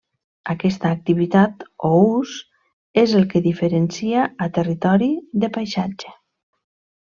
Aquesta activitat o ús és el que diferencia a territori de paisatge.